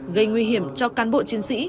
gây nguy hiểm cho cán bộ chiến sĩ